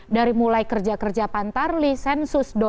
dari mulai kerja kerja pantar lisensi